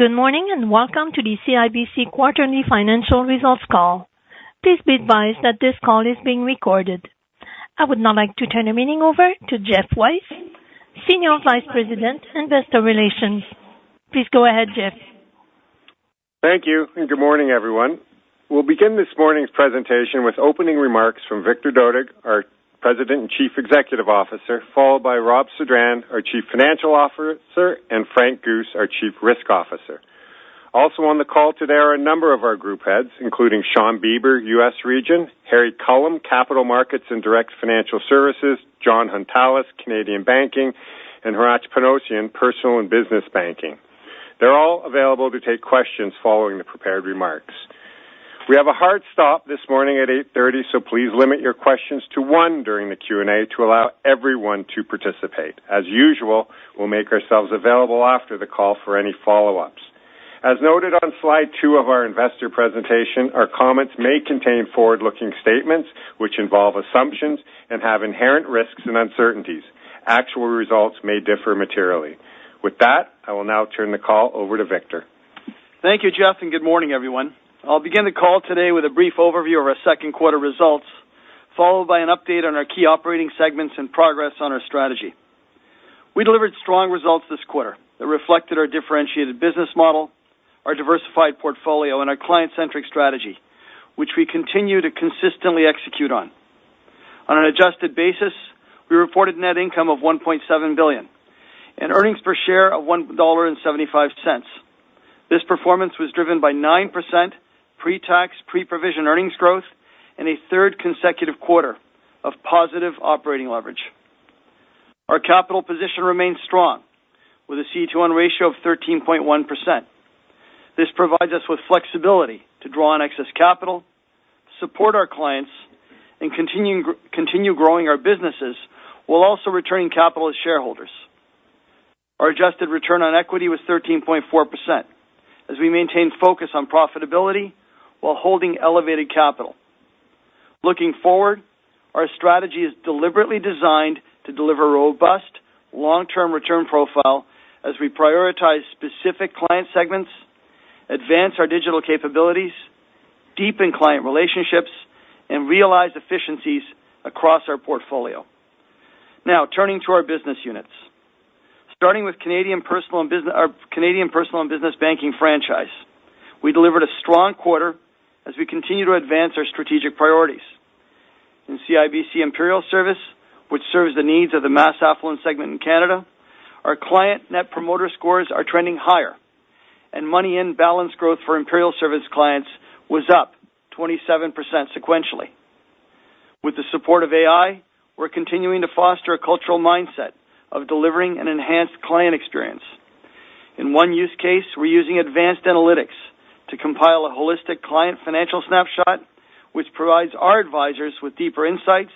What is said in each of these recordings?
Good morning, and welcome to the CIBC Quarterly Financial Results Call. Please be advised that this call is being recorded. I would now like to turn the meeting over to Geoff Weiss, Senior Vice-President, Investor Relations. Please go ahead, Geoff. Thank you, and good morning, everyone. We'll begin this morning's presentation with opening remarks from Victor Dodig, our President and Chief Executive Officer, followed by Rob Sedran, our Chief Financial Officer, and Frank Guse, our Chief Risk Officer. Also on the call today are a number of our group heads, including Shawn Beber, U.S. Region, Harry Culham, Capital Markets and Direct Financial Services, Jon Hountalas, Canadian Banking, and Hratch Panossian, Personal and Business Banking. They're all available to take questions following the prepared remarks. We have a hard stop this morning at 8:30 A.M., so please limit your questions to one during the Q&A to allow everyone to participate. As usual, we'll make ourselves available after the call for any follow-ups. As noted on slide two of our investor presentation, our comments may contain forward-looking statements, which involve assumptions and have inherent risks and uncertainties. Actual results may differ materially. With that, I will now turn the call over to Victor. Thank you, Geoff, and good morning, everyone. I'll begin the call today with a brief overview of our second quarter results, followed by an update on our key operating segments and progress on our strategy. We delivered strong results this quarter that reflected our differentiated business model, our diversified portfolio, and our client-centric strategy, which we continue to consistently execute on. On an adjusted basis, we reported net income of 1.7 billion and earnings per share of 1.75 dollar. This performance was driven by 9% pre-tax, pre-provision earnings growth and a third consecutive quarter of positive operating leverage. Our capital position remains strong, with a CET1 ratio of 13.1%. This provides us with flexibility to draw on excess capital, support our clients, and continue growing our businesses, while also returning capital to shareholders. Our adjusted return on equity was 13.4%, as we maintained focus on profitability while holding elevated capital. Looking forward, our strategy is deliberately designed to deliver a robust, long-term return profile as we prioritize specific client segments, advance our digital capabilities, deepen client relationships, and realize efficiencies across our portfolio. Now, turning to our business units. Starting with Canadian Personal and Business, our Canadian Personal and Business Banking franchise, we delivered a strong quarter as we continue to advance our strategic priorities. In CIBC Imperial Service, which serves the needs of the mass affluent segment in Canada, our client Net Promoter Scores are trending higher, and money-in balance growth for Imperial Service clients was up 27% sequentially. With the support of AI, we're continuing to foster a cultural mindset of delivering an enhanced client experience. In one use case, we're using advanced analytics to compile a holistic client financial snapshot, which provides our advisors with deeper insights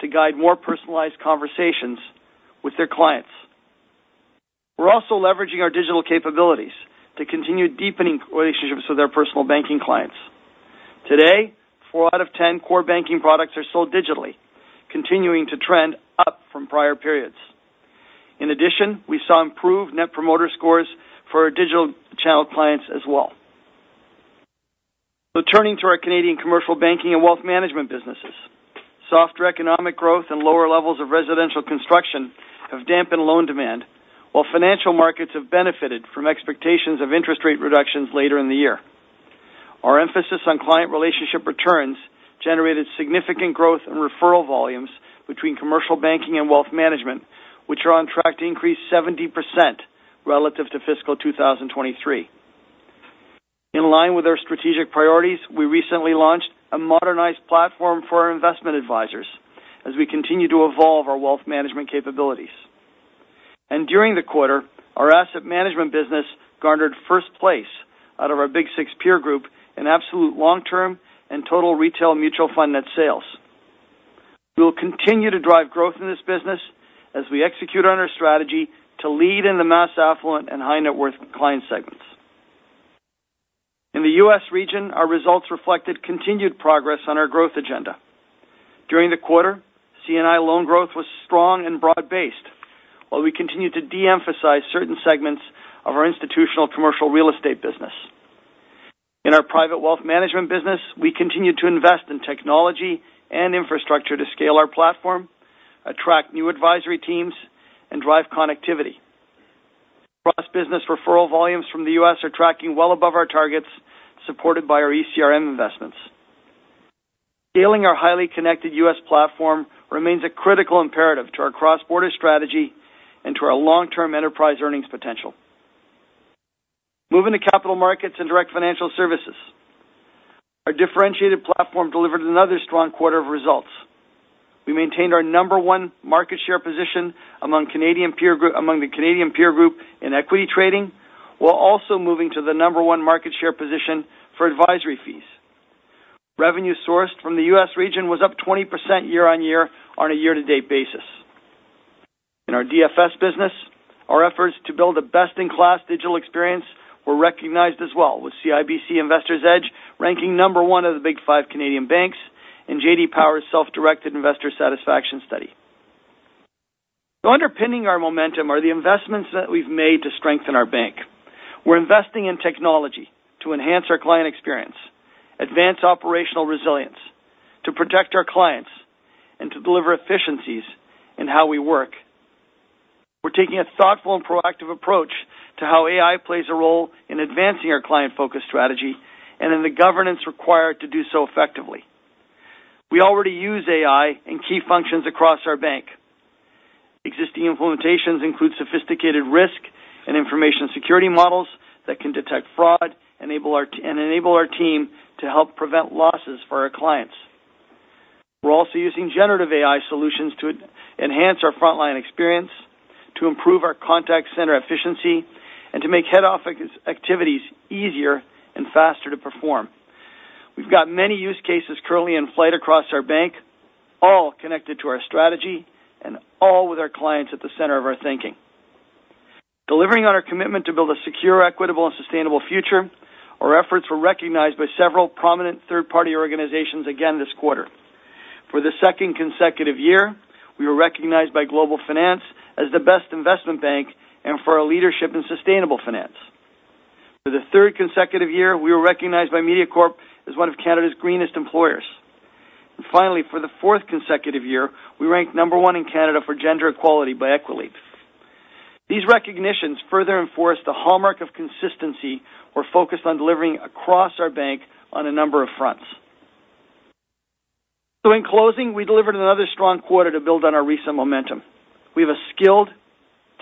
to guide more personalized conversations with their clients. We're also leveraging our digital capabilities to continue deepening relationships with our personal banking clients. Today, four out of ten core banking products are sold digitally, continuing to trend up from prior periods. In addition, we saw improved Net Promoter Scores for our digital channel clients as well. Turning to our Canadian Commercial Banking and Wealth Management businesses. Softer economic growth and lower levels of residential construction have dampened loan demand, while financial markets have benefited from expectations of interest rate reductions later in the year. Our emphasis on client relationship returns generated significant growth in referral volumes between commercial banking and wealth management, which are on track to increase 70% relative to fiscal 2023. In line with our strategic priorities, we recently launched a modernized platform for our investment advisors as we continue to evolve our wealth management capabilities. During the quarter, our asset management business garnered first place out of our Big Six peer group in absolute long-term and total retail mutual fund net sales. We will continue to drive growth in this business as we execute on our strategy to lead in the mass affluent and high-net-worth client segments. In the U.S. Region, our results reflected continued progress on our growth agenda. During the quarter, C&I loan growth was strong and broad-based, while we continued to de-emphasize certain segments of our institutional commercial real estate business. In our private wealth management business, we continued to invest in technology and infrastructure to scale our platform, attract new advisory teams, and drive connectivity. Cross-business referral volumes from the U.S. are tracking well above our targets, supported by our ECRM investments. Scaling our highly connected U.S. platform remains a critical imperative to our cross-border strategy and to our long-term enterprise earnings potential. Moving to capital markets and Direct Financial Services, our differentiated platform delivered another strong quarter of results. We maintained our number one market share position among the Canadian peer group in equity trading, while also moving to the number one market share position for advisory fees. Revenue sourced from the U.S. Region was up 20% year-on-year on a year-to-date basis. In our DFS business, our efforts to build a best-in-class digital experience were recognized as well, with CIBC Investor's Edge ranking number one of the Big Five Canadian banks in J.D. Power's Self-Directed Investor Satisfaction Study. So underpinning our momentum are the investments that we've made to strengthen our bank. We're investing in technology to enhance our client experience, advance operational resilience, to protect our clients, and to deliver efficiencies in how we work. We're taking a thoughtful and proactive approach to how AI plays a role in advancing our client-focused strategy and in the governance required to do so effectively. We already use AI in key functions across our bank. Existing implementations include sophisticated risk and information security models that can detect fraud, enable our team to help prevent losses for our clients. We're also using generative AI solutions to enhance our frontline experience, to improve our contact center efficiency, and to make head office activities easier and faster to perform. We've got many use cases currently in flight across our bank, all connected to our strategy and all with our clients at the center of our thinking. Delivering on our commitment to build a secure, equitable, and sustainable future, our efforts were recognized by several prominent third-party organizations again this quarter. For the second consecutive year, we were recognized by Global Finance as the best investment bank and for our leadership in sustainable finance. For the third consecutive year, we were recognized by Mediacorp as one of Canada's greenest employers. And finally, for the fourth consecutive year, we ranked number one in Canada for gender equality by Equileap. These recognitions further enforce the hallmark of consistency we're focused on delivering across our bank on a number of fronts. So in closing, we delivered another strong quarter to build on our recent momentum. We have a skilled,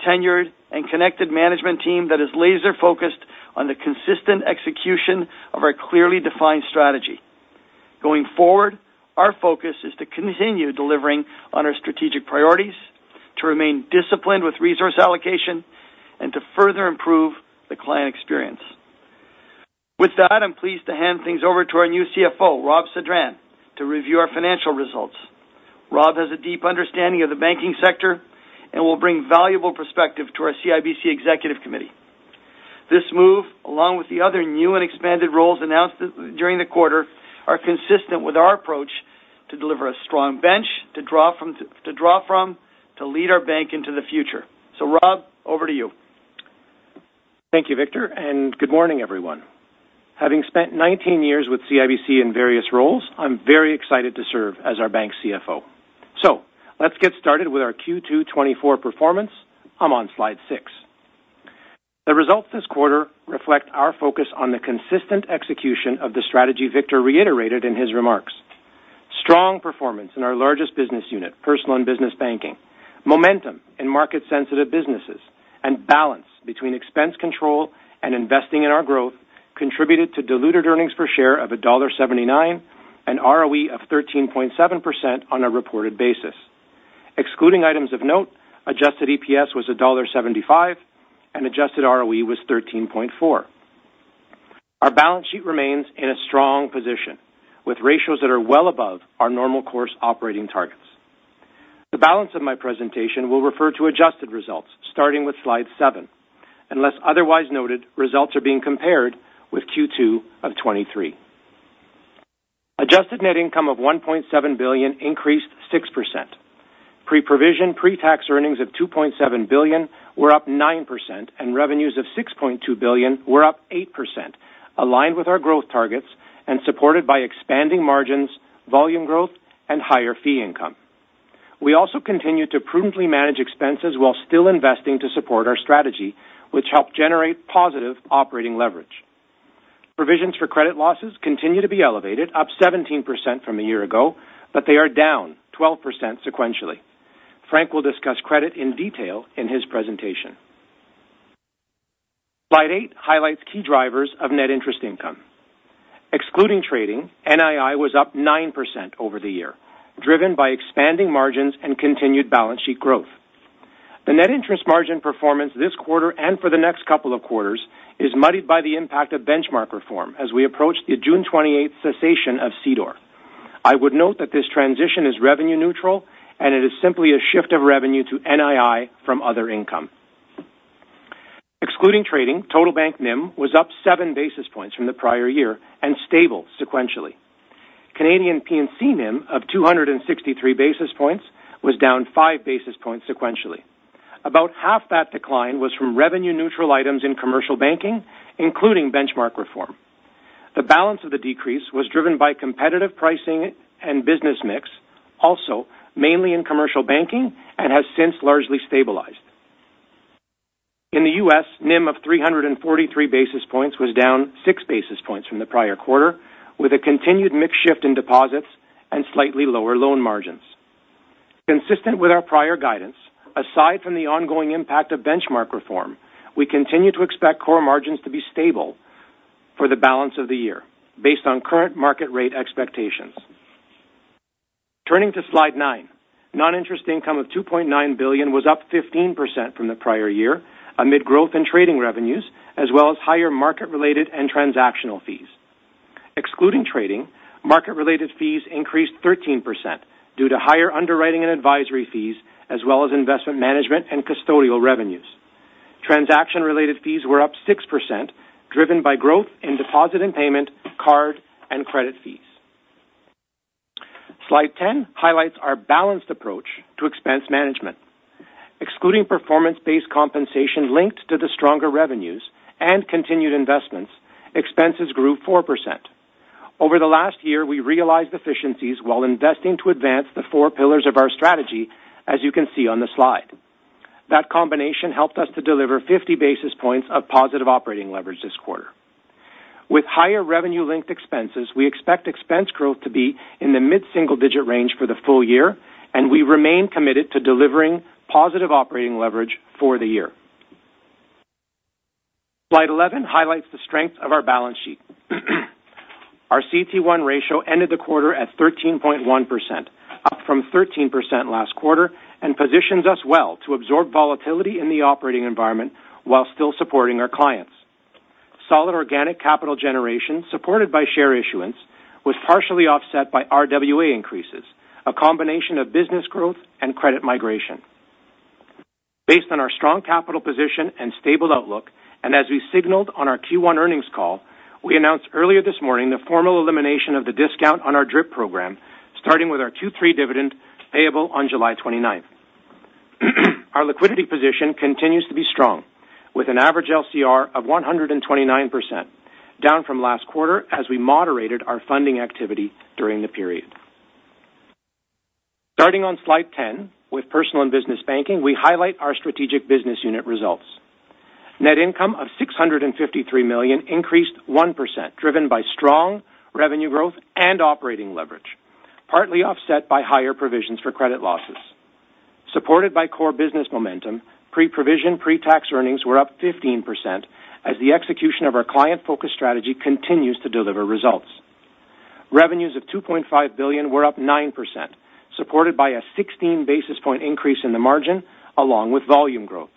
tenured, and connected management team that is laser-focused on the consistent execution of our clearly defined strategy. Going forward, our focus is to continue delivering on our strategic priorities, to remain disciplined with resource allocation, and to further improve the client experience. With that, I'm pleased to hand things over to our new CFO, Rob Sedran, to review our financial results. Rob has a deep understanding of the banking sector and will bring valuable perspective to our CIBC Executive Committee. This move, along with the other new and expanded roles announced during the quarter, are consistent with our approach to deliver a strong bench to draw from to lead our bank into the future. So, Rob, over to you. Thank you, Victor, and good morning, everyone. Having spent 19 years with CIBC in various roles, I'm very excited to serve as our bank's CFO. So let's get started with our Q2 2024 performance. I'm on slide six. The results this quarter reflect our focus on the consistent execution of the strategy Victor reiterated in his remarks. Strong performance in our largest business unit, personal and business banking, momentum in market-sensitive businesses, and balance between expense control and investing in our growth contributed to diluted earnings per share of CAD 1.79 and ROE of 13.7% on a reported basis. Excluding items of note, adjusted EPS was dollar 1.75, and adjusted ROE was 13.4%. Our balance sheet remains in a strong position, with ratios that are well above our normal course operating targets. The balance of my presentation will refer to adjusted results, starting with slide seven. Unless otherwise noted, results are being compared with Q2 of 2023. Adjusted net income of 1.7 billion increased 6%. Pre-provision, pre-tax earnings of 2.7 billion were up 9%, and revenues of 6.2 billion were up 8%, aligned with our growth targets and supported by expanding margins, volume growth, and higher fee income. We also continued to prudently manage expenses while still investing to support our strategy, which helped generate positive operating leverage. Provisions for credit losses continue to be elevated, up 17% from a year ago, but they are down 12% sequentially. Frank will discuss credit in detail in his presentation. Slide eight highlights key drivers of net interest income. Excluding trading, NII was up 9% over the year, driven by expanding margins and continued balance sheet growth. The net interest margin performance this quarter and for the next couple of quarters is muddied by the impact of benchmark reform as we approach the June twenty-eighth cessation of CDOR. I would note that this transition is revenue neutral, and it is simply a shift of revenue to NII from other income. Excluding trading, total bank NIM was up 7 basis points from the prior year and stable sequentially. Canadian P&C NIM of 263 basis points was down 5 basis points sequentially. About half that decline was from revenue-neutral items in commercial banking, including benchmark reform. The balance of the decrease was driven by competitive pricing and business mix, also mainly in commercial banking, and has since largely stabilized. In the U.S., NIM of 343 basis points was down 6 basis points from the prior quarter, with a continued mix shift in deposits and slightly lower loan margins. Consistent with our prior guidance, aside from the ongoing impact of benchmark reform, we continue to expect core margins to be stable for the balance of the year, based on current market rate expectations. Turning to slide nine, non-interest income of 2.9 billion was up 15% from the prior year, amid growth in trading revenues, as well as higher market-related and transactional fees. Excluding trading, market-related fees increased 13% due to higher underwriting and advisory fees, as well as investment management and custody-... Transaction-related fees were up 6%, driven by growth in deposit and payment, card, and credit fees. Slide 10 highlights our balanced approach to expense management. Excluding performance-based compensation linked to the stronger revenues and continued investments, expenses grew 4%. Over the last year, we realized efficiencies while investing to advance the four pillars of our strategy, as you can see on the slide. That combination helped us to deliver 50 basis points of positive operating leverage this quarter. With higher revenue-linked expenses, we expect expense growth to be in the mid-single-digit range for the full year, and we remain committed to delivering positive operating leverage for the year. Slide 11 highlights the strength of our balance sheet. Our CET1 ratio ended the quarter at 13.1%, up from 13% last quarter, and positions us well to absorb volatility in the operating environment while still supporting our clients. Solid organic capital generation, supported by share issuance, was partially offset by RWA increases, a combination of business growth and credit migration. Based on our strong capital position and stable outlook, and as we signaled on our Q1 earnings call, we announced earlier this morning the formal elimination of the discount on our DRIP program, starting with our 2023 dividend, payable on July 29. Our liquidity position continues to be strong, with an average LCR of 129%, down from last quarter as we moderated our funding activity during the period. Starting on slide 10, with Personal and Business Banking, we highlight our strategic business unit results. Net income of 653 million increased 1%, driven by strong revenue growth and operating leverage, partly offset by higher provisions for credit losses. Supported by core business momentum, pre-provision, pre-tax earnings were up 15%, as the execution of our client-focused strategy continues to deliver results. Revenues of 2.5 billion were up 9%, supported by a sixteen basis point increase in the margin, along with volume growth.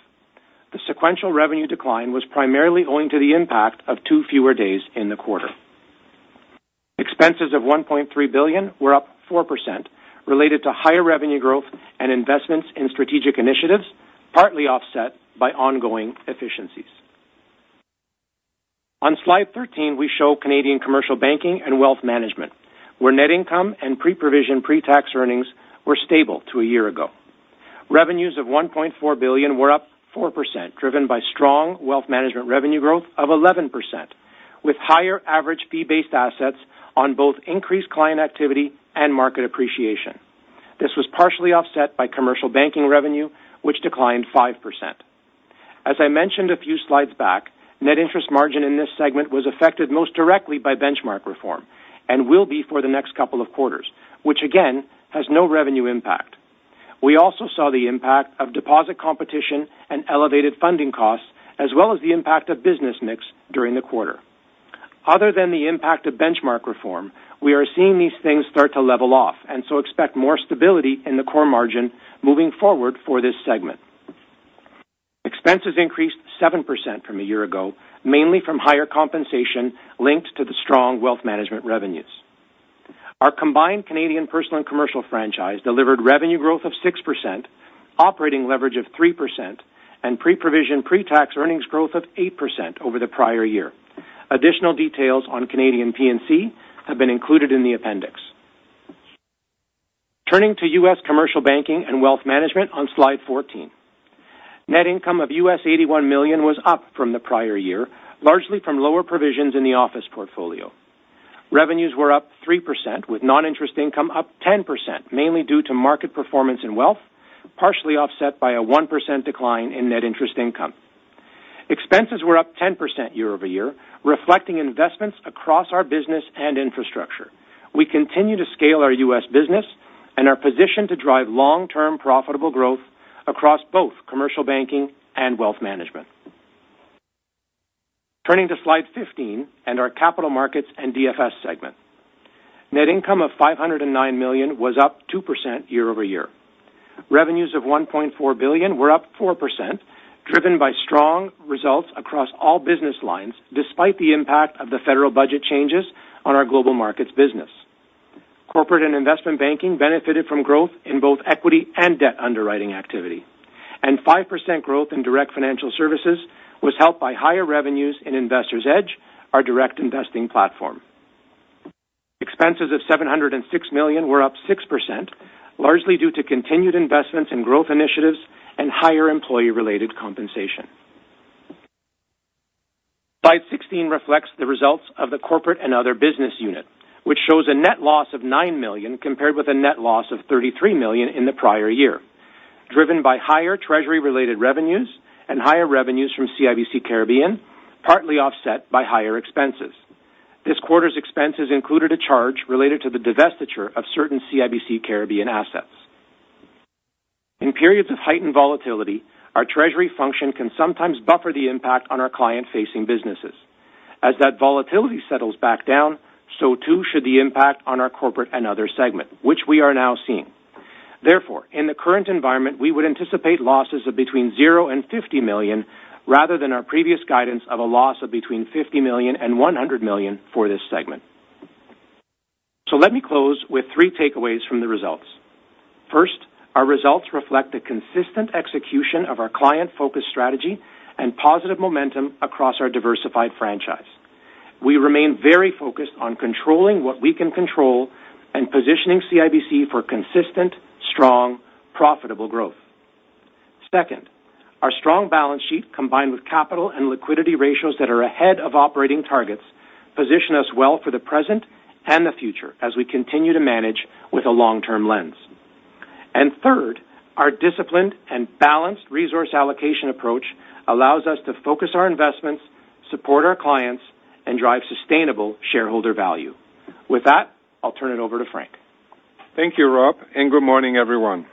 The sequential revenue decline was primarily owing to the impact of 2 fewer days in the quarter. Expenses of 1.3 billion were up 4%, related to higher revenue growth and investments in strategic initiatives, partly offset by ongoing efficiencies. On slide 13, we show Canadian Commercial Banking and Wealth Management, where net income and pre-provision, pre-tax earnings were stable to a year ago. Revenues of 1.4 billion were up 4%, driven by strong wealth management revenue growth of 11%, with higher average fee-based assets on both increased client activity and market appreciation. This was partially offset by commercial banking revenue, which declined 5%. As I mentioned a few slides back, net interest margin in this segment was affected most directly by benchmark reform and will be for the next couple of quarters, which again, has no revenue impact. We also saw the impact of deposit competition and elevated funding costs, as well as the impact of business mix during the quarter. Other than the impact of benchmark reform, we are seeing these things start to level off, and so expect more stability in the core margin moving forward for this segment. Expenses increased 7% from a year ago, mainly from higher compensation linked to the strong wealth management revenues. Our combined Canadian Personal and Commercial franchise delivered revenue growth of 6%, operating leverage of 3%, and pre-provision, pre-tax earnings growth of 8% over the prior year. Additional details on Canadian P&C have been included in the appendix. Turning to U.S. Commercial Banking and Wealth Management on slide 14. Net income of $81 million was up from the prior year, largely from lower provisions in the office portfolio. Revenues were up 3%, with non-interest income up 10%, mainly due to market performance and wealth, partially offset by a 1% decline in net interest income. Expenses were up 10% year-over-year, reflecting investments across our business and infrastructure. We continue to scale our U.S. business and are positioned to drive long-term profitable growth across both commercial banking and wealth management. Turning to slide 15 and our Capital Markets and DFS segment. Net income of 509 million was up 2% year-over-year. Revenues of 1.4 billion were up 4%, driven by strong results across all business lines, despite the impact of the federal budget changes on our Global Markets business. Corporate and Investment Banking benefited from growth in both equity and debt underwriting activity, and 5% growth in Direct Financial Services was helped by higher revenues in Investor's Edge, our direct investing platform. Expenses of 706 million were up 6%, largely due to continued investments in growth initiatives and higher employee-related compensation. Slide 16 reflects the results of the Corporate and Other business unit, which shows a net loss of 9 million, compared with a net loss of 33 million in the prior year, driven by higher treasury-related revenues and higher revenues from CIBC Caribbean, partly offset by higher expenses. This quarter's expenses included a charge related to the divestiture of certain CIBC Caribbean assets. In periods of heightened volatility, our treasury function can sometimes buffer the impact on our client-facing businesses. As that volatility settles back down, so too should the impact on our Corporate and Other segment, which we are now seeing. Therefore, in the current environment, we would anticipate losses of between 0 million and 50 million, rather than our previous guidance of a loss of between 50 million and 100 million for this segment. So let me close with three takeaways from the results. First, our results reflect the consistent execution of our client-focused strategy and positive momentum across our diversified franchise. We remain very focused on controlling what we can control and positioning CIBC for consistent, strong, profitable growth. Second, our strong balance sheet, combined with capital and liquidity ratios that are ahead of operating targets, positions us well for the present and the future as we continue to manage with a long-term lens. And third, our disciplined and balanced resource allocation approach allows us to focus our investments, support our clients, and drive sustainable shareholder value. With that, I'll turn it over to Frank. Thank you, Rob, and good morning, everyone.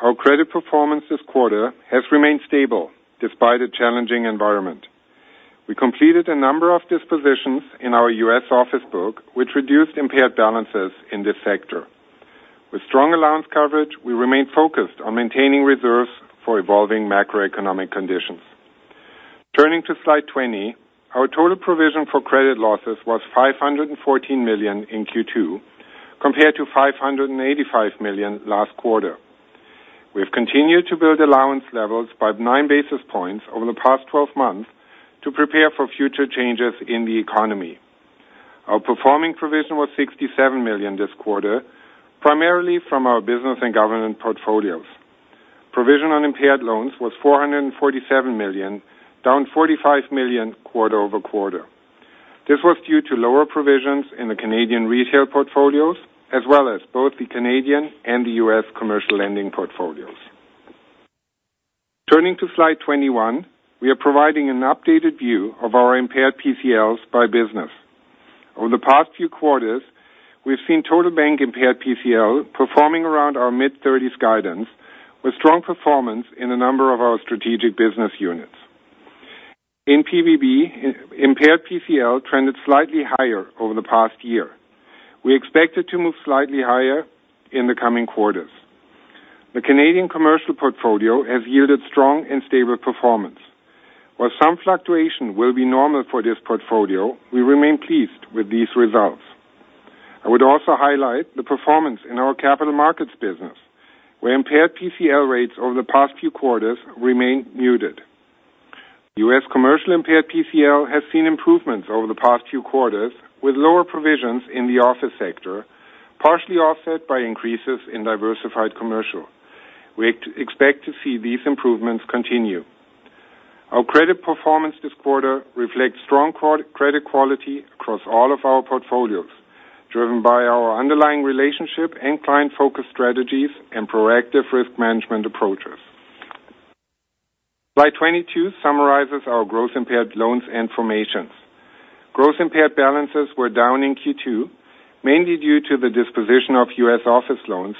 Our credit performance this quarter has remained stable despite a challenging environment. We completed a number of dispositions in our U.S. office book, which reduced impaired balances in this sector. With strong allowance coverage, we remain focused on maintaining reserves for evolving macroeconomic conditions. Turning to slide 20, our total provision for credit losses was 514 million in Q2, compared to 585 million last quarter. We've continued to build allowance levels by nine basis points over the past 12 months to prepare for future changes in the economy. Our performing provision was 67 million this quarter, primarily from our Business and Government portfolios. Provision on impaired loans was 447 million, down 45 million quarter-over-quarter. This was due to lower provisions in the Canadian retail portfolios, as well as both the Canadian and the U.S. commercial lending portfolios. Turning to slide 21, we are providing an updated view of our impaired PCLs by business. Over the past few quarters, we've seen total bank impaired PCL performing around our mid-30s guidance, with strong performance in a number of our strategic business units. In PBB, impaired PCL trended slightly higher over the past year. We expect it to move slightly higher in the coming quarters. The Canadian commercial portfolio has yielded strong and stable performance. While some fluctuation will be normal for this portfolio, we remain pleased with these results. I would also highlight the performance in our capital markets business, where impaired PCL rates over the past few quarters remain muted. U.S. commercial impaired PCL has seen improvements over the past few quarters, with lower provisions in the office sector, partially offset by increases in diversified commercial. We expect to see these improvements continue. Our credit performance this quarter reflects strong credit quality across all of our portfolios, driven by our underlying relationship and client-focused strategies and proactive risk management approaches. Slide 22 summarizes our gross impaired loans and formations. Gross impaired balances were down in Q2, mainly due to the disposition of U.S. office loans,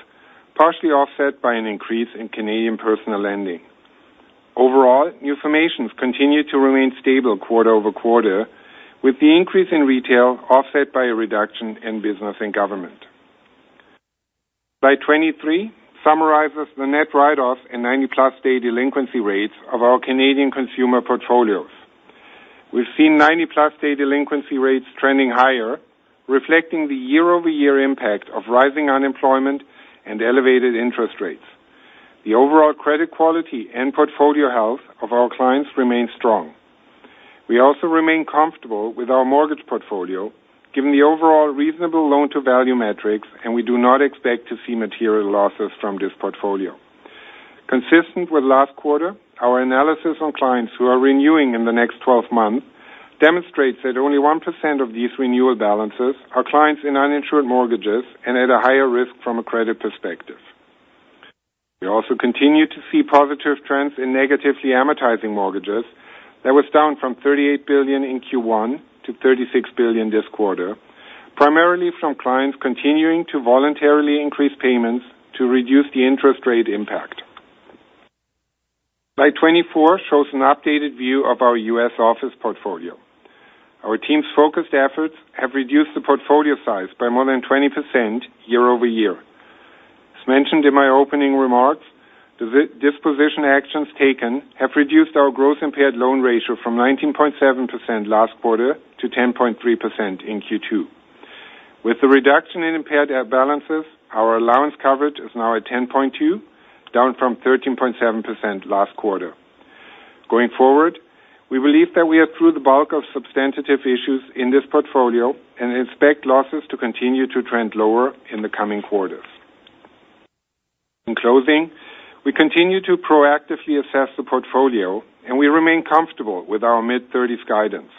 partially offset by an increase in Canadian personal lending. Overall, new formations continue to remain stable quarter-over-quarter, with the increase in retail offset by a reduction in Business and Government. Slide 23 summarizes the net write-offs and 90-plus day delinquency rates of our Canadian consumer portfolios. We've seen 90+ day delinquency rates trending higher, reflecting the year-over-year impact of rising unemployment and elevated interest rates. The overall credit quality and portfolio health of our clients remains strong. We also remain comfortable with our mortgage portfolio, given the overall reasonable loan-to-value metrics, and we do not expect to see material losses from this portfolio. Consistent with last quarter, our analysis on clients who are renewing in the next 12 months demonstrates that only 1% of these renewal balances are clients in uninsured mortgages and at a higher risk from a credit perspective. We also continue to see positive trends in negatively amortizing mortgages. That was down from 38 billion in Q1 to 36 billion this quarter, primarily from clients continuing to voluntarily increase payments to reduce the interest rate impact. Slide 24 shows an updated view of our U.S. office portfolio. Our team's focused efforts have reduced the portfolio size by more than 20% year-over-year. As mentioned in my opening remarks, the disposition actions taken have reduced our gross impaired loan ratio from 19.7% last quarter to 10.3% in Q2. With the reduction in impaired balances, our allowance coverage is now at 10.2%, down from 13.7% last quarter. Going forward, we believe that we are through the bulk of substantive issues in this portfolio and expect losses to continue to trend lower in the coming quarters. In closing, we continue to proactively assess the portfolio, and we remain comfortable with our mid-thirties guidance.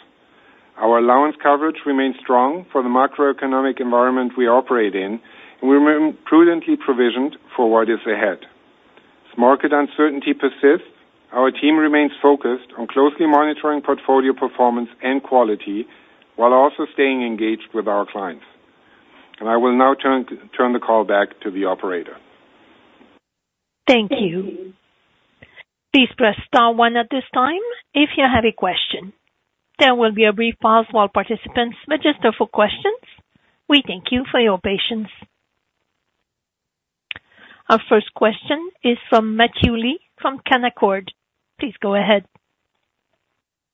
Our allowance coverage remains strong for the macroeconomic environment we operate in, and we remain prudently provisioned for what is ahead. As market uncertainty persists, our team remains focused on closely monitoring portfolio performance and quality while also staying engaged with our clients. I will now turn the call back to the operator. Thank you. Please press star one at this time if you have a question. There will be a brief pause while participants register for questions. We thank you for your patience.... Our first question is from Matthew Lee from Canaccord. Please go ahead.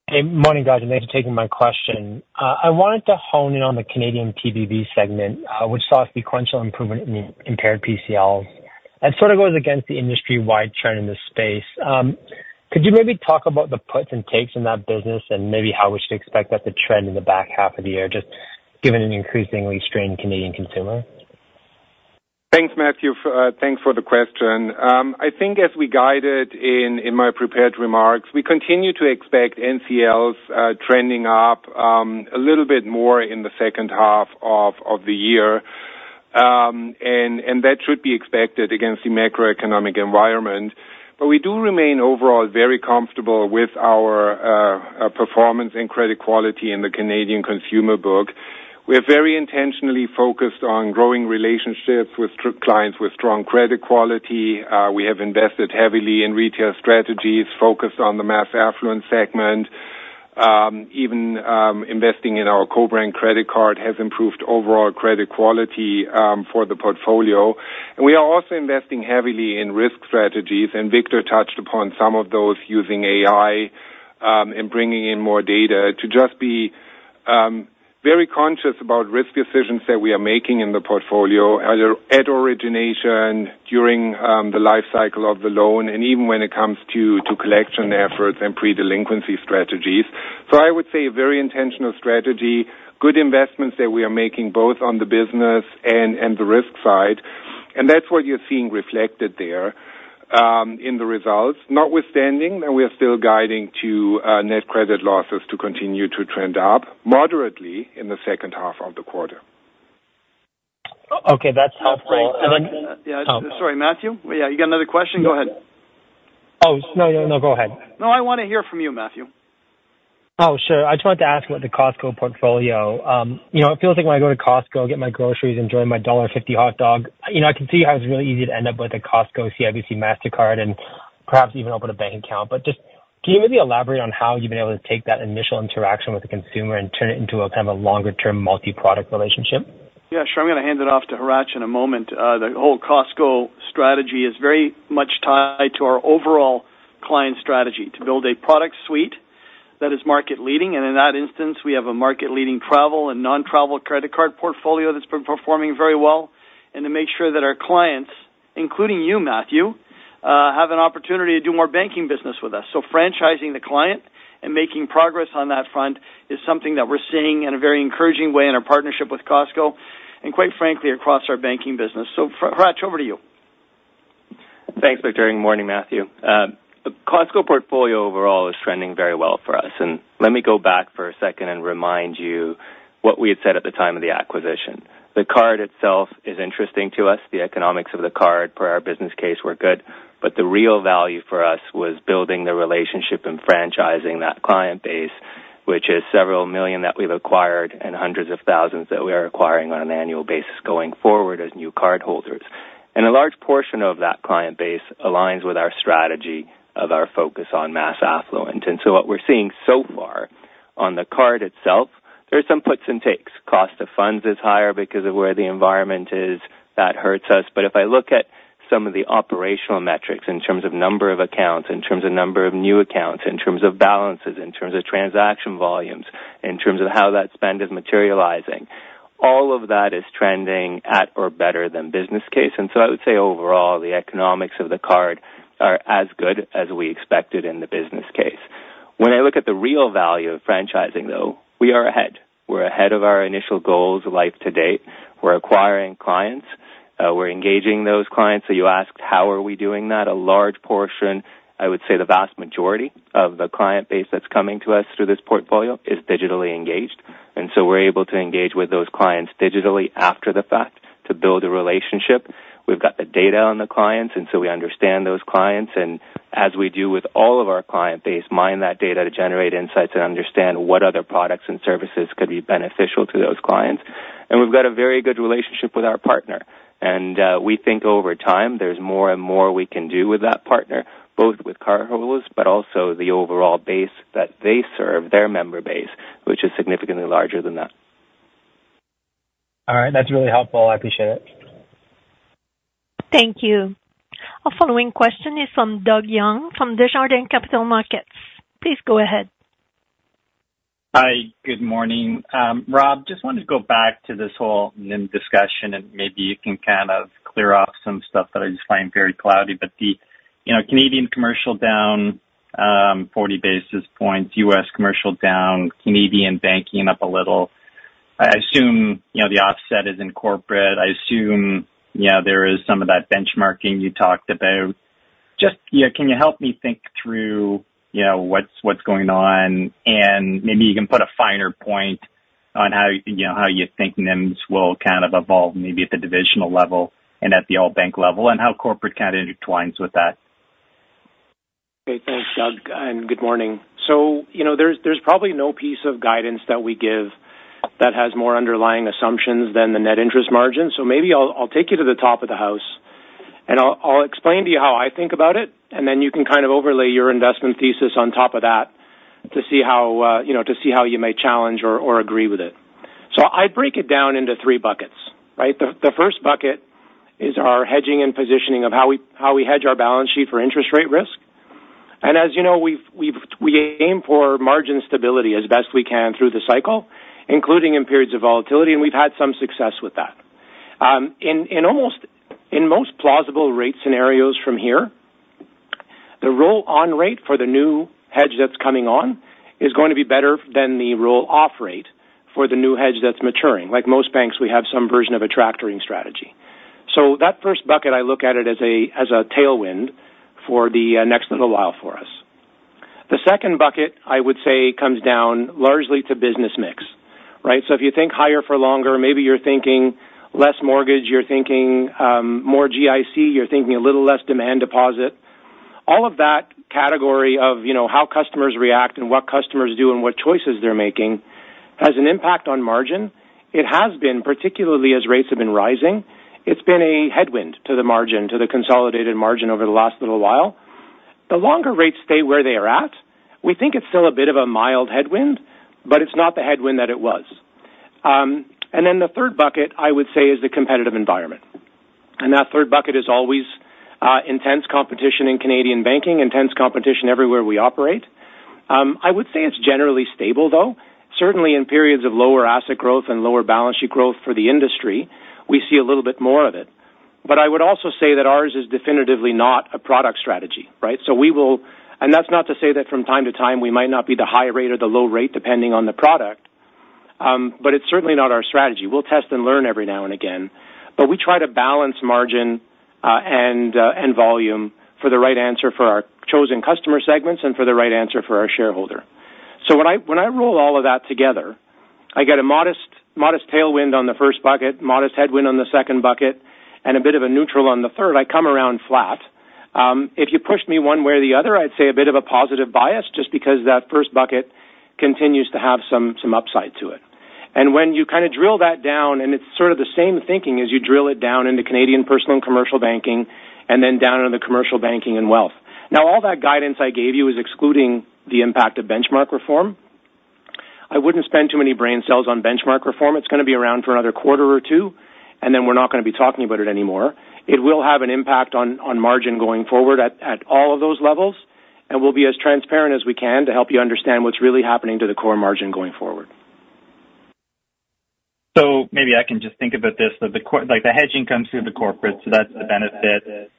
Hey, morning, guys, and thanks for taking my question. I wanted to hone in on the Canadian PBB segment, which saw a sequential improvement in the impaired PCLs. That sort of goes against the industry-wide trend in this space. Could you maybe talk about the puts and takes in that business and maybe how we should expect that to trend in the back half of the year, just given an increasingly strained Canadian consumer? Thanks, Matthew. Thanks for the question. I think as we guided in my prepared remarks, we continue to expect NCLs trending up a little bit more in the second half of the year. And that should be expected against the macroeconomic environment. But we do remain overall very comfortable with our performance and credit quality in the Canadian consumer book. We're very intentionally focused on growing relationships with strong clients with strong credit quality. We have invested heavily in retail strategies, focused on the mass affluent segment. Even investing in our co-brand credit card has improved overall credit quality for the portfolio. And we are also investing heavily in risk strategies, and Victor touched upon some of those using AI, and bringing in more data to just be, very conscious about risk decisions that we are making in the portfolio, either at origination, during, the life cycle of the loan, and even when it comes to, to collection efforts and pre-delinquency strategies. So I would say a very intentional strategy, good investments that we are making both on the business and, and the risk side, and that's what you're seeing reflected there, in the results. Notwithstanding, that we are still guiding to, net credit losses to continue to trend up moderately in the second half of the quarter. Okay, that's helpful. Yeah. Sorry, Matthew? Yeah, you got another question. Go ahead. Oh, no, no, no. Go ahead. No, I want to hear from you, Matthew. Oh, sure. I just wanted to ask about the Costco portfolio. You know, it feels like when I go to Costco, get my groceries, enjoy my dollar 1.50 hot dog, you know, I can see how it's really easy to end up with a Costco CIBC Mastercard and perhaps even open a bank account. But just can you maybe elaborate on how you've been able to take that initial interaction with the consumer and turn it into a kind of a longer term multi-product relationship? Yeah, sure. I'm going to hand it off to Hratch in a moment. The whole Costco strategy is very much tied to our overall client strategy, to build a product suite that is market leading, and in that instance, we have a market-leading travel and non-travel credit card portfolio that's been performing very well. And to make sure that our clients, including you, Matthew, have an opportunity to do more banking business with us. So franchising the client and making progress on that front is something that we're seeing in a very encouraging way in our partnership with Costco and quite frankly, across our banking business. So Hratch, over to you. Thanks, Victor, morning, Matthew. The Costco portfolio overall is trending very well for us, and let me go back for a second and remind you what we had said at the time of the acquisition. The card itself is interesting to us. The economics of the card for our business case were good, but the real value for us was building the relationship and franchising that client base, which is several million that we've acquired and hundreds of thousands that we are acquiring on an annual basis going forward as new cardholders. And a large portion of that client base aligns with our strategy of our focus on mass affluent. And so what we're seeing so far on the card itself, there are some puts and takes. Cost of funds is higher because of where the environment is. That hurts us. But if I look at some of the operational metrics in terms of number of accounts, in terms of number of new accounts, in terms of balances, in terms of transaction volumes, in terms of how that spend is materializing, all of that is trending at or better than business case. And so I would say overall, the economics of the card are as good as we expected in the business case. When I look at the real value of franchising, though, we are ahead. We're ahead of our initial goals life to date. We're acquiring clients, we're engaging those clients. So you asked, how are we doing that? A large portion, I would say the vast majority of the client base that's coming to us through this portfolio, is digitally engaged, and so we're able to engage with those clients digitally after the fact to build a relationship. We've got the data on the clients, and so we understand those clients, and as we do with all of our client base, mine that data to generate insights and understand what other products and services could be beneficial to those clients. And we've got a very good relationship with our partner, and we think over time, there's more and more we can do with that partner, both with cardholders, but also the overall base that they serve, their member base, which is significantly larger than that. All right. That's really helpful. I appreciate it. Thank you. Our following question is from Doug Young, from Desjardins Capital Markets. Please go ahead. Hi, good morning. Rob, just wanted to go back to this whole NIM discussion, and maybe you can kind of clear up some stuff that I just find very cloudy. But the, you know, Canadian commercial down 40 basis points, U.S. commercial down, Canadian banking up a little. I assume, you know, the offset is in corporate. I assume, you know, there is some of that benchmarking you talked about. Just, yeah, can you help me think through, you know, what's, what's going on? And maybe you can put a finer point on how, you know, how you think NIMs will kind of evolve, maybe at the divisional level and at the all bank level, and how corporate kind of intertwines with that. Okay, thanks, Doug, and good morning. So you know, there's probably no piece of guidance that we give that has more underlying assumptions than the net interest margin. So maybe I'll take you to the top of the house, and I'll explain to you how I think about it, and then you can kind of overlay your investment thesis on top of that to see how, you know, to see how you may challenge or agree with it.... Well, I'd break it down into three buckets, right? The first bucket is our hedging and positioning of how we hedge our balance sheet for interest rate risk. And as you know, we aim for margin stability as best we can through the cycle, including in periods of volatility, and we've had some success with that. In most plausible rate scenarios from here, the roll-on rate for the new hedge that's coming on is going to be better than the roll-off rate for the new hedge that's maturing. Like most banks, we have some version of a tractoring strategy. So that first bucket, I look at it as a tailwind for the next little while for us. The second bucket, I would say, comes down largely to business mix, right? So if you think higher for longer, maybe you're thinking less mortgage, you're thinking, more GIC, you're thinking a little less demand deposit. All of that category of, you know, how customers react and what customers do and what choices they're making has an impact on margin. It has been, particularly as rates have been rising, it's been a headwind to the margin, to the consolidated margin over the last little while. The longer rates stay where they are at, we think it's still a bit of a mild headwind, but it's not the headwind that it was. And then the third bucket, I would say, is the competitive environment. And that third bucket is always, intense competition in Canadian banking, intense competition everywhere we operate. I would say it's generally stable, though. Certainly, in periods of lower asset growth and lower balance sheet growth for the industry, we see a little bit more of it. But I would also say that ours is definitively not a product strategy, right? So we will. And that's not to say that from time to time we might not be the high rate or the low rate, depending on the product, but it's certainly not our strategy. We'll test and learn every now and again, but we try to balance margin and volume for the right answer for our chosen customer segments and for the right answer for our shareholder. So when I roll all of that together, I get a modest, modest tailwind on the first bucket, modest headwind on the second bucket, and a bit of a neutral on the third. I come around flat. If you push me one way or the other, I'd say a bit of a positive bias, just because that first bucket continues to have some upside to it. And when you kind of drill that down, and it's sort of the same thinking as you drill it down into Canadian personal and commercial banking, and then down into the commercial banking and wealth. Now, all that guidance I gave you is excluding the impact of benchmark reform. I wouldn't spend too many brain cells on benchmark reform. It's going to be around for another quarter or two, and then we're not going to be talking about it anymore. It will have an impact on margin going forward at all of those levels, and we'll be as transparent as we can to help you understand what's really happening to the core margin going forward. So maybe I can just think about this, that the hedging comes through the corporate, so that's the benefit.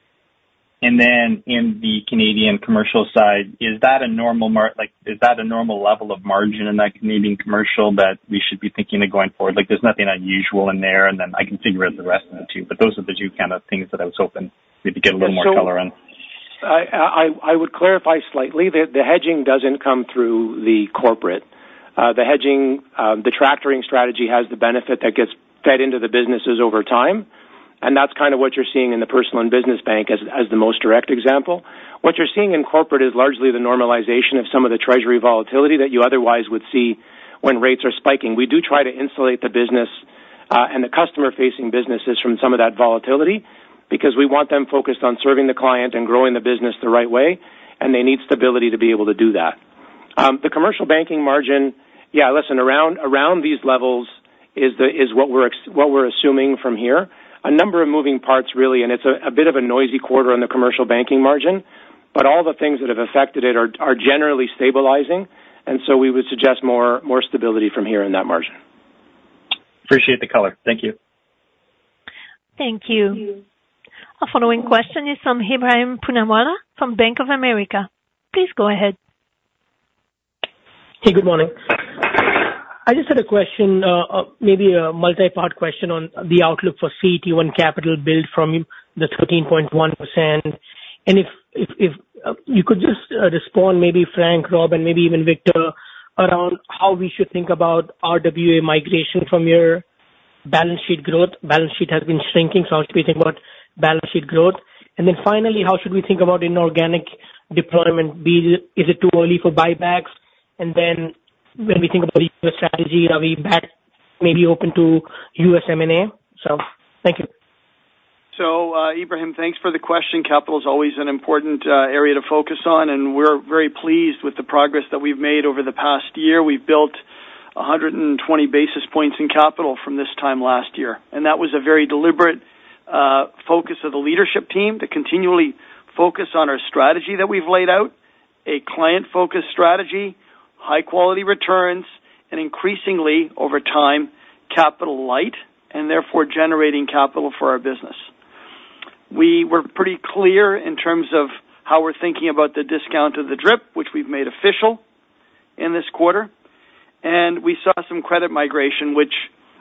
And then in the Canadian commercial side, is that a normal margin—like, is that a normal level of margin in that Canadian commercial that we should be thinking of going forward? Like, there's nothing unusual in there, and then I can figure out the rest of the two. But those are the two kind of things that I was hoping maybe to get a little more color on. I would clarify slightly that the hedging doesn't come through the corporate. The hedging, the tractoring strategy has the benefit that gets fed into the businesses over time, and that's kind of what you're seeing in the Personal and Business Banking as the most direct example. What you're seeing in corporate is largely the normalization of some of the treasury volatility that you otherwise would see when rates are spiking. We do try to insulate the business, and the customer-facing businesses from some of that volatility because we want them focused on serving the client and growing the business the right way, and they need stability to be able to do that. The Commercial Banking margin, around these levels is what we're assuming from here. A number of moving parts, really, and it's a bit of a noisy quarter on the commercial banking margin, but all the things that have affected it are generally stabilizing, and so we would suggest more stability from here in that margin. Appreciate the color. Thank you. Thank you. Our following question is from Ebrahim Poonawala from Bank of America. Please go ahead. Hey, good morning. I just had a question, maybe a multi-part question on the outlook for CET1 capital build from the 13.1%. And if you could just respond, maybe Frank, Rob, and maybe even Victor, around how we should think about RWA migration from your balance sheet growth. Balance sheet has been shrinking, so how should we think about balance sheet growth? And then finally, how should we think about inorganic deployment? Be it, is it too early for buybacks? And then when we think about the strategy, are we back maybe open to U.S. M&A? So thank you. So, Ebrahim, thanks for the question. Capital is always an important area to focus on, and we're very pleased with the progress that we've made over the past year. We've built 120 basis points in capital from this time last year, and that was a very deliberate focus of the leadership team to continually focus on our strategy that we've laid out, a client-focused strategy, high quality returns, and increasingly, over time, capital light, and therefore generating capital for our business. We were pretty clear in terms of how we're thinking about the discount of the DRIP, which we've made official in this quarter, and we saw some credit migration, which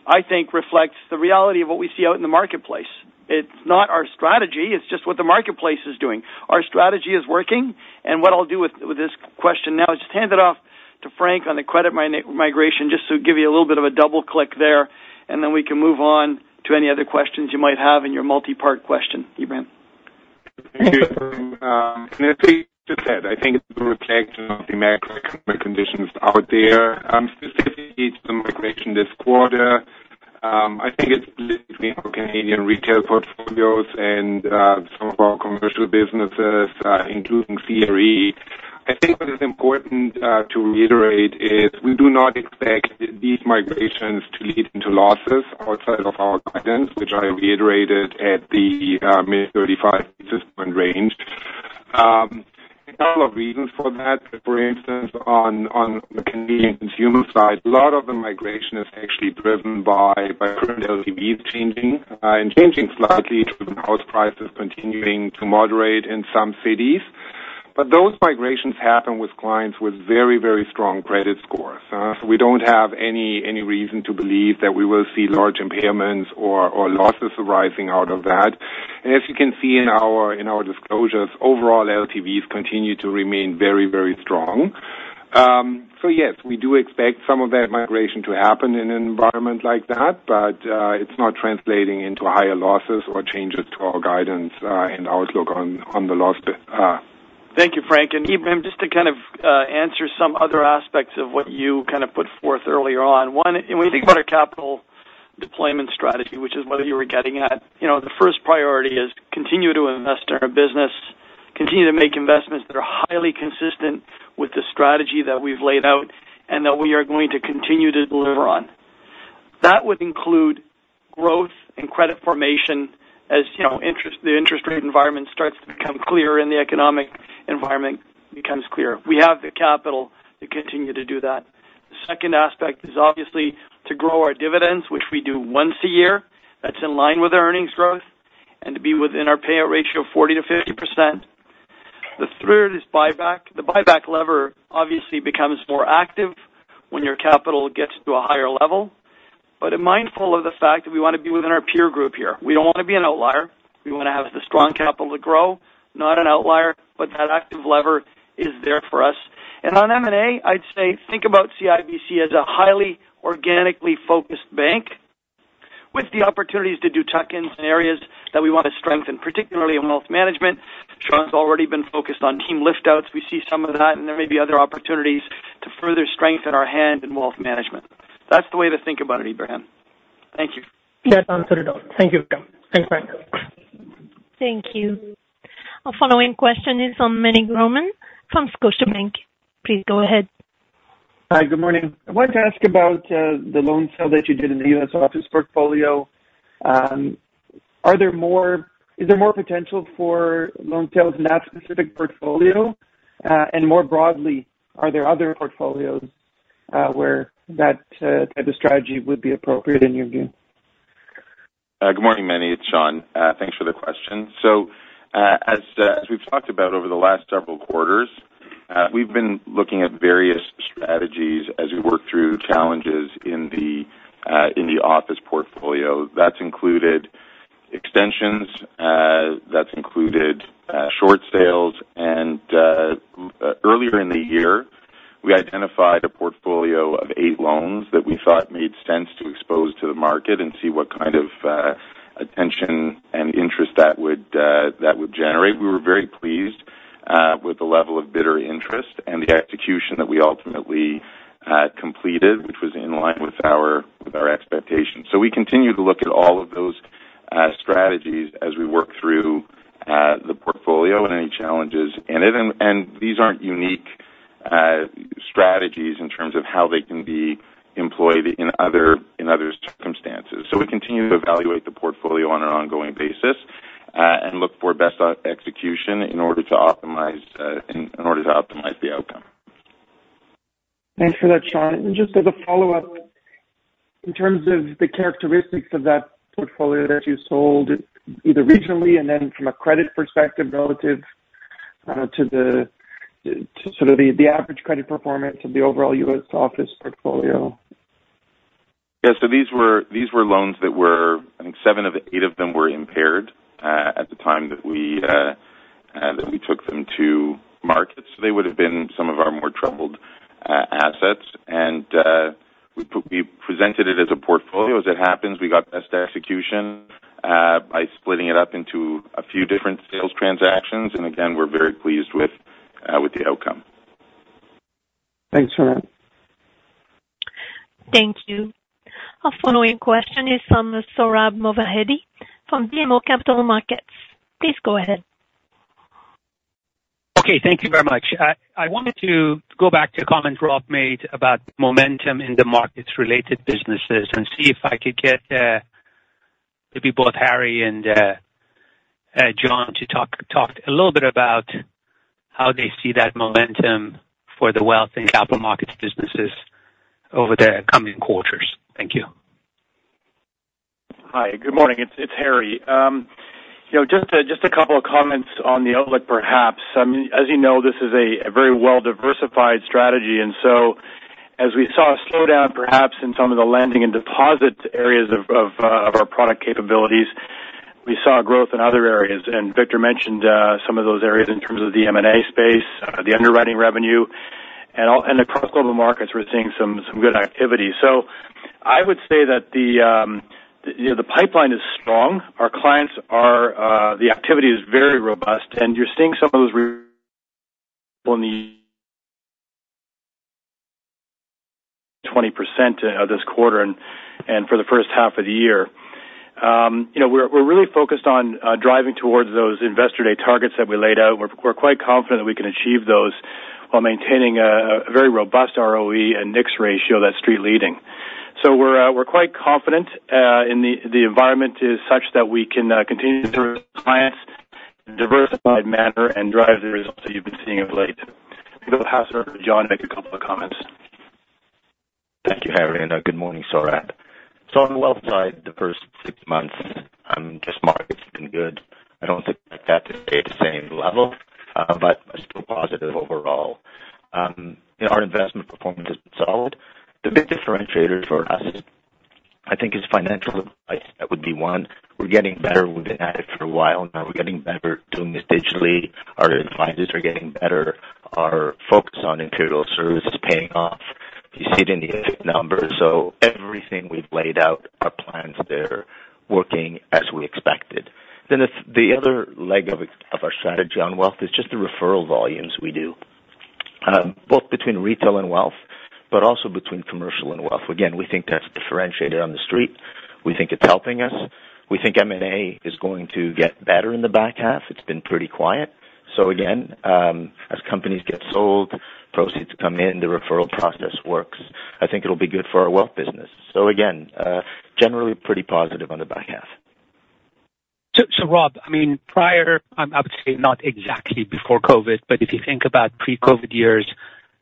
I think reflects the reality of what we see out in the marketplace. It's not our strategy, it's just what the marketplace is doing. Our strategy is working, and what I'll do with this question now is just hand it off to Frank on the credit migration, just to give you a little bit of a double click there, and then we can move on to any other questions you might have in your multi-part question, Ebrahim. Thank you. And I think, just said, I think it's a reflection of the macroeconomic conditions out there, specifically the migration this quarter. I think it's split between our Canadian retail portfolios and some of our commercial businesses, including CRE.... I think what is important, to reiterate is we do not expect these migrations to lead into losses outside of our guidance, which I reiterated at the, mid-35 basis point range. A couple of reasons for that. For instance, on, on the Canadian consumer side, a lot of the migration is actually driven by, by current LTVs changing, and changing slightly with house prices continuing to moderate in some cities. But those migrations happen with clients with very, very strong credit scores. So we don't have any, any reason to believe that we will see large impairments or, or losses arising out of that. And as you can see in our, in our disclosures, overall LTVs continue to remain very, very strong. So yes, we do expect some of that migration to happen in an environment like that, but it's not translating into higher losses or changes to our guidance and outlook on the loss. Thank you, Frank. And Ebrahim, just to kind of answer some other aspects of what you kind of put forth earlier on. One, when we think about our capital deployment strategy, which is what you were getting at, you know, the first priority is continue to invest in our business, continue to make investments that are highly consistent with the strategy that we've laid out and that we are going to continue to deliver on. That would include growth and credit formation, as you know, interest- the interest rate environment starts to become clearer and the economic environment becomes clearer. We have the capital to continue to do that. The second aspect is obviously to grow our dividends, which we do once a year. That's in line with our earnings growth and to be within our payout ratio of 40%-50%. The third is buyback. The buyback lever obviously becomes more active when your capital gets to a higher level. But I'm mindful of the fact that we want to be within our peer group here. We don't want to be an outlier. We want to have the strong capital to grow, not an outlier, but that active lever is there for us. And on M&A, I'd say think about CIBC as a highly organically focused bank with the opportunities to do tuck-ins in areas that we want to strengthen, particularly in wealth management. Shawn's already been focused on team lift outs. We see some of that, and there may be other opportunities to further strengthen our hand in wealth management. That's the way to think about it, Ebrahim. Thank you. That answered it all. Thank you, Victor. Thanks, Frank. Thank you. Our following question is from Meny Grauman from Scotiabank. Please go ahead. Hi, good morning. I wanted to ask about the loan sale that you did in the U.S. office portfolio. Is there more potential for loan sales in that specific portfolio? And more broadly, are there other portfolios where that type of strategy would be appropriate in your view? Good morning, Meny, it's Shawn. Thanks for the question. So, as we've talked about over the last several quarters, we've been looking at various strategies as we work through challenges in the office portfolio. That's included extensions, that's included short sales, and earlier in the year, we identified a portfolio of 8 loans that we thought made sense to expose to the market and see what kind of attention and interest that would generate. We were very pleased with the level of bidder interest and the execution that we ultimately completed, which was in line with our expectations. So we continue to look at all of those strategies as we work through the portfolio and any challenges in it. These aren't unique strategies in terms of how they can be employed in other circumstances. So we continue to evaluate the portfolio on an ongoing basis and look for best execution in order to optimize the outcome. Thanks for that, Shawn. Just as a follow-up, in terms of the characteristics of that portfolio that you sold, either regionally and then from a credit perspective, relative to sort of the average credit performance of the overall U.S. office portfolio. Yeah. So these were loans that were, I think 7 of the 8 of them were impaired at the time that we took them to market. So they would have been some of our more troubled assets. And we presented it as a portfolio. As it happens, we got best execution by splitting it up into a few different sales transactions. And again, we're very pleased with the outcome. Thanks for that. Thank you. Our following question is from Sohrab Movahedi from BMO Capital Markets. Please go ahead. Okay. Thank you very much. I wanted to go back to a comment Rob made about momentum in the markets-related businesses and see if I could get, maybe both Harry and Jon to talk, talk a little bit about how they see that momentum for the wealth and capital markets businesses over the coming quarters. Thank you. Hi, good morning. It's Harry. You know, just a couple of comments on the outlook, perhaps. As you know, this is a very well-diversified strategy, and so as we saw a slowdown perhaps in some of the lending and deposit areas of our product capabilities, we saw growth in other areas. And Victor mentioned some of those areas in terms of the M&A space, the underwriting revenue, and across Global Markets, we're seeing some good activity. So I would say that the, you know, the pipeline is strong. Our clients are the activity is very robust, and you're seeing some of those re- in the-... 20% of this quarter and, and for the first half of the year. You know, we're, we're really focused on driving towards those Investor Day targets that we laid out. We're, we're quite confident that we can achieve those while maintaining a, a very robust ROE and CET1 ratio that's Street leading. So we're, we're quite confident in the environment is such that we can continue to serve clients in a diversified manner and drive the results that you've been seeing of late. I'm going to pass it over to Jon to make a couple of comments. Thank you, Harry, and good morning, Sohrab. So on the wealth side, the first six months, just markets have been good. I don't think like that to stay the same level, but still positive overall. Our investment performance has been solid. The big differentiator for us, I think, is financial advice. That would be one. We're getting better. We've been at it for a while now. We're getting better at doing this digitally. Our advisors are getting better. Our focus on Imperial Service is paying off. You see it in the numbers. So everything we've laid out, our plans there are working as we expected. Then if the other leg of ex- of our strategy on wealth is just the referral volumes we do, both between retail and wealth, but also between commercial and wealth. Again, we think that's differentiated on the Street. We think it's helping us. We think M&A is going to get better in the back half. It's been pretty quiet. So again, as companies get sold, proceeds come in, the referral process works. I think it'll be good for our wealth business. So again, generally pretty positive on the back half. So, Rob, I mean, prior, I would say not exactly before COVID, but if you think about pre-COVID years,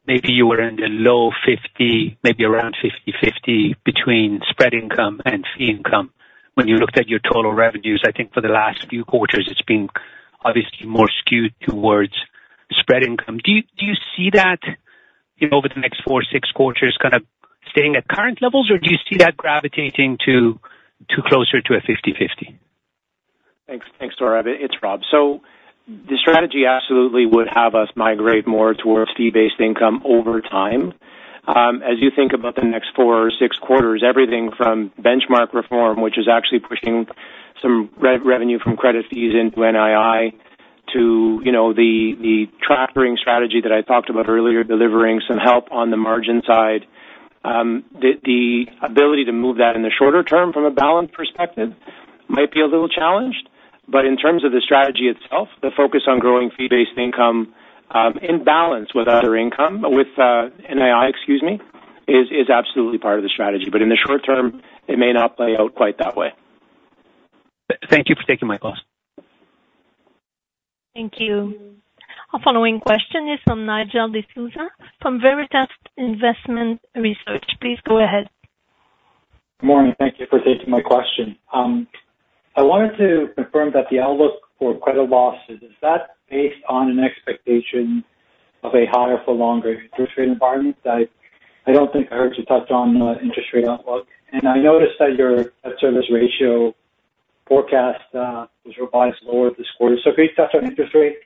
maybe you were in the low 50, maybe around 50/50 between spread income and fee income. When you looked at your total revenues, I think for the last few quarters, it's been obviously more skewed towards spread income. Do you see that, you know, over the next 4, 6 quarters kind of staying at current levels, or do you see that gravitating to closer to a 50/50? Thanks. Thanks, Sohrab. It's Rob. So the strategy absolutely would have us migrate more towards fee-based income over time. As you think about the next 4 or 6 quarters, everything from benchmark reform, which is actually pushing some revenue from credit fees into NII to, you know, the tractoring strategy that I talked about earlier, delivering some help on the margin side. The ability to move that in the shorter term from a balance perspective might be a little challenged, but in terms of the strategy itself, the focus on growing fee-based income in balance with other income, with NII, excuse me, is absolutely part of the strategy, but in the short term, it may not play out quite that way. Thank you for taking my call. Thank you. Our following question is from Nigel D'Souza from Veritas Investment Research. Please go ahead. Good morning. Thank you for taking my question. I wanted to confirm that the outlook for credit losses, is that based on an expectation of a higher for longer interest rate environment? I don't think I heard you touch on interest rate outlook, and I noticed that your service ratio forecast was revised lower this quarter. So could you touch on interest rate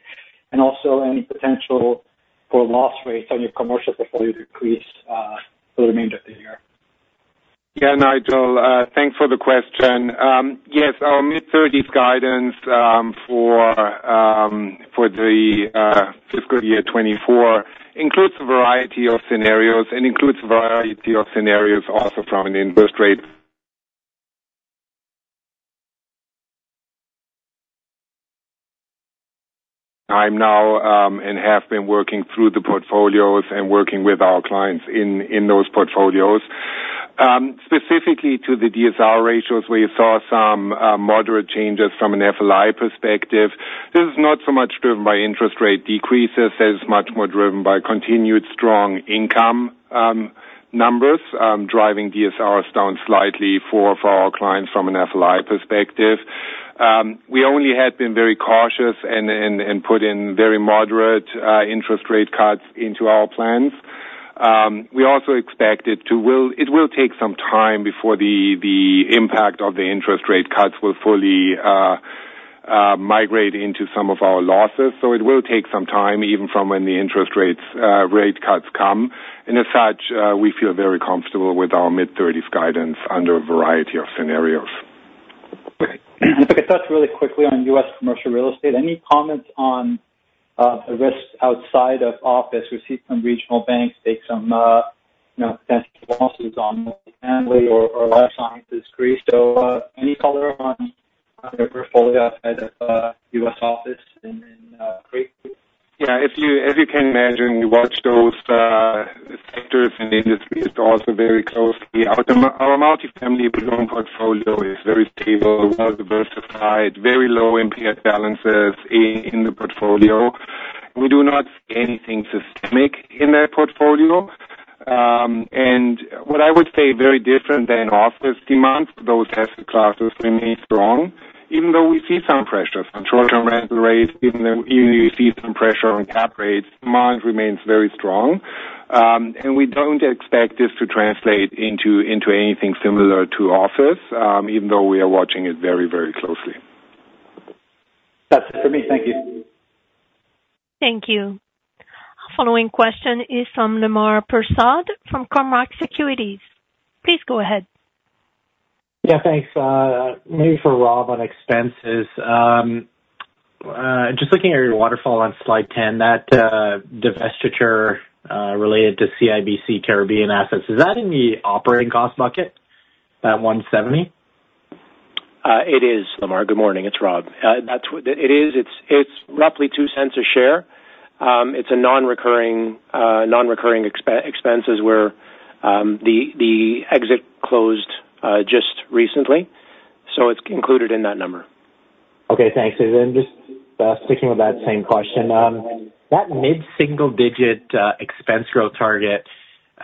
and also any potential for loss rates on your commercial portfolio decrease for the remainder of the year? Yeah, Nigel, thanks for the question. Yes, our mid-thirties guidance for the fiscal year 2024 includes a variety of scenarios and includes a variety of scenarios also from an interest rate. I'm now and have been working through the portfolios and working with our clients in those portfolios. Specifically to the DSR ratios, where you saw some moderate changes from an FLI perspective. This is not so much driven by interest rate decreases as much more driven by continued strong income numbers driving DSRs down slightly for our clients from an FLI perspective. We only had been very cautious and put in very moderate interest rate cuts into our plans. It will take some time before the impact of the interest rate cuts will fully migrate into some of our losses. So it will take some time, even from when the interest rates rate cuts come, and as such, we feel very comfortable with our mid-thirties guidance under a variety of scenarios. If I could touch really quickly on U.S. commercial real estate. Any comments on the risks outside of office? We've seen some regional banks take some, you know, potential losses on multifamily or less lines increased. So, any color on the portfolio side of U.S. office and CRE? Yeah, if you can imagine, we watch those sectors and industries also very closely. Our multi-family loan portfolio is very stable, well diversified, very low NPLs balances in the portfolio. We do not see anything systemic in that portfolio. And what I would say very different than office demands, those asset classes remain strong, even though we see some pressure from short-term rental rates, even though we see some pressure on cap rates, demand remains very strong. And we don't expect this to translate into anything similar to office, even though we are watching it very, very closely. That's it for me. Thank you. Thank you. Our following question is from Lemar Persaud from Cormark Securities. Please go ahead. Yeah, thanks. Maybe for Rob on expenses. Just looking at your waterfall on slide 10, that divestiture related to CIBC Caribbean assets, is that in the operating cost bucket, that 170? It is, Lemar. Good morning, it's Rob. It's roughly 2 cents a share. It's a non-recurring expense where the exit closed just recently, so it's included in that number. Okay, thanks. And then just sticking with that same question, that mid-single-digit expense growth target,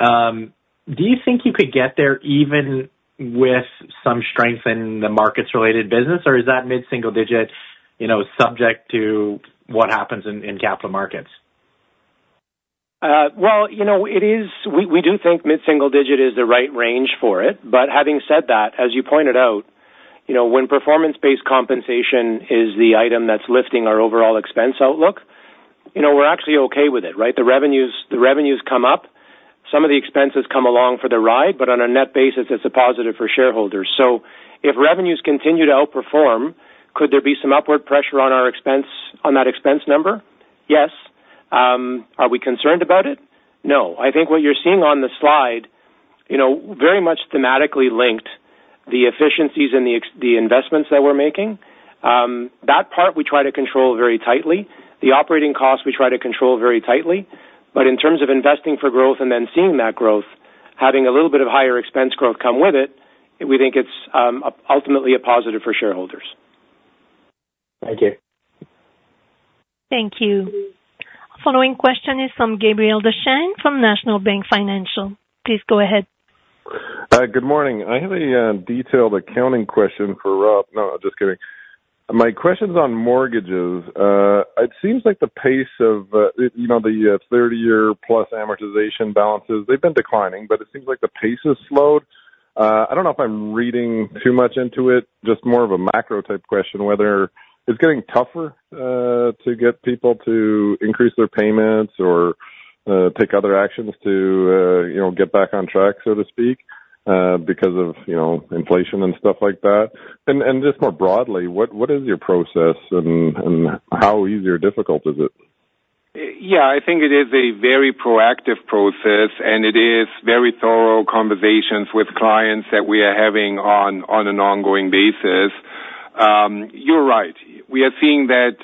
do you think you could get there even with some strength in the markets-related business, or is that mid-single-digit, you know, subject to what happens in capital markets? Well, you know, we do think mid-single digit is the right range for it. But having said that, as you pointed out, you know, when performance-based compensation is the item that's lifting our overall expense outlook, you know, we're actually okay with it, right? The revenues, the revenues come up, some of the expenses come along for the ride, but on a net basis, it's a positive for shareholders. So if revenues continue to outperform, could there be some upward pressure on our expense, on that expense number? Yes. Are we concerned about it? No. I think what you're seeing on the slide, you know, very much thematically linked the efficiencies and the investments that we're making. That part we try to control very tightly. The operating costs, we try to control very tightly. In terms of investing for growth and then seeing that growth, having a little bit of higher expense growth come with it, we think it's ultimately a positive for shareholders. Thank you. Thank you. Following question is from Gabriel Dechaine, from National Bank Financial. Please go ahead. Good morning. I have a detailed accounting question for Rob. No, I'm just kidding. My question's on mortgages. It seems like the pace of, you know, the 30-year-plus amortization balances, they've been declining, but it seems like the pace has slowed. I don't know if I'm reading too much into it, just more of a macro-type question, whether it's getting tougher to get people to increase their payments or take other actions to, you know, get back on track, so to speak, because of, you know, inflation and stuff like that. And just more broadly, what is your process and how easy or difficult is it? Yeah, I think it is a very proactive process, and it is very thorough conversations with clients that we are having on an ongoing basis. You're right, we are seeing that